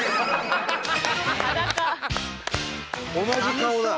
同じ顔だ。